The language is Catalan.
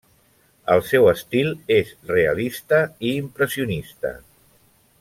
El seu estil és realista i impressionista.